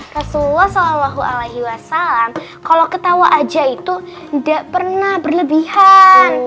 rasulullah sallallahu alaihi wasallam kalo ketawa aja itu nggak pernah berlebihan